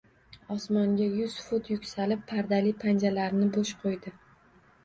Osmonga yuz fut yuksalib, pardali panjalarini bo‘sh qo‘ydi